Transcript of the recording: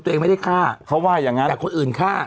ตัวเองไม่ได้ฆ่าแต่คนอื่นฆ่า